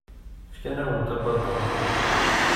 Fkan-awent abadaṛ.